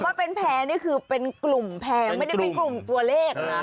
ว่าเป็นแพ้นี่คือเป็นกลุ่มแพร่ไม่ได้เป็นกลุ่มตัวเลขนะ